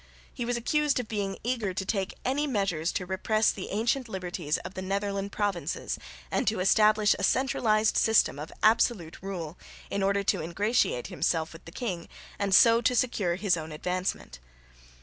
He was accused of being eager to take any measures to repress the ancient liberties of the Netherland provinces and to establish a centralised system of absolute rule, in order to ingratiate himself with the king and so to secure his own advancement.